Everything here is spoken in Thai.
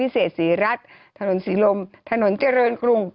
สีรัสถนนสิรมถนนเจริญกรุง